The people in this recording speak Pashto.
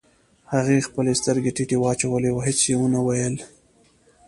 هغې خپلې سترګې ټيټې واچولې او هېڅ يې ونه ويل.